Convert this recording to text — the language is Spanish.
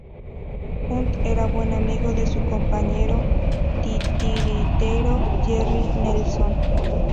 Hunt era buen amigo de su compañero titiritero Jerry Nelson.